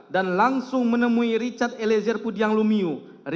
dan langsung menemui richard elezer pudyang lumiu ricky rizalwibo dan kuat marf